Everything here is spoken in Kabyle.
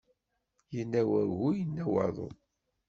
Yenna wagu, yenna waḍu.